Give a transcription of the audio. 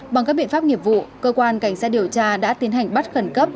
bằng các biện pháp nghiệp vụ cơ quan cảnh sát điều tra đã tiến hành bắt khẩn cấp